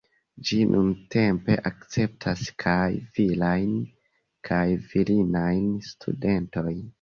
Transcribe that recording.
Ĝi nuntempe akceptas kaj virajn kaj virinajn studentojn.